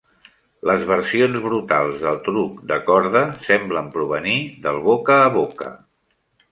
Les versions brutals del truc de corda semblen provenir del boca a boca.